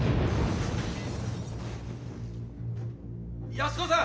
・・・・・・安子さん！